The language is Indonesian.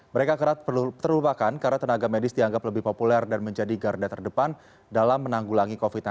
mereka kerap terlupakan karena tenaga medis dianggap lebih populer dan menjadi garda terdepan dalam menanggulangi covid sembilan belas